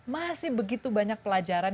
masih begitu banyak pelajaran